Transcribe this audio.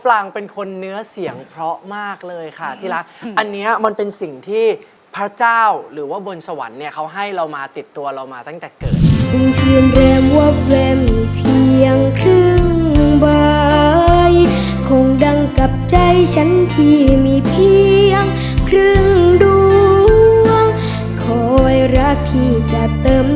อันนเนี้ยมันเป็นสิ่งที่พระเจ้าหรือว่าบนสวรรค์เนี่ยเขาให้เรามาติดตัวเรามาตั้งแต่เกิด